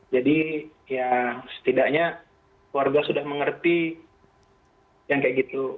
jadi ya setidaknya keluarga sudah mengerti yang kayak gitu